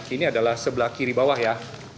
ini adalah sebelah kiri bawah ya